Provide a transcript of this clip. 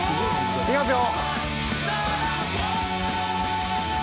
いきますよ。